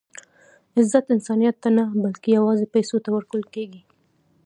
عزت انسانیت ته نه؛ بلکي یوازي پېسو ته ورکول کېږي.